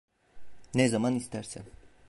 Ne zaman istersen.